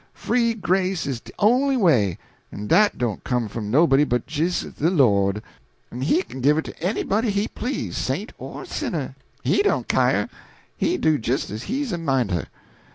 Free grace is de on'y way, en dat don't come fum nobody but jis' de Lord; en he kin give it to anybody he please, saint or sinner he don't kyer. He do jis' as he's a mineter.